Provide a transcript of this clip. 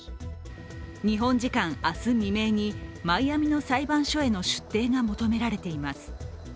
日本時間明日未明にマイアミの裁判所への出廷が求められています。